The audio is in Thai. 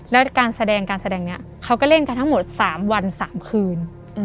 แล้วการแสดงการแสดงนี้เขาก็เล่นกันทั้งหมด๓วัน๓คืน